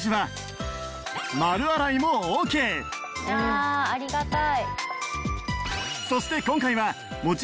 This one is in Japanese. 「ああありがたい」